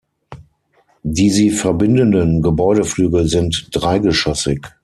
Die sie verbindenden Gebäudeflügel sind dreigeschossig.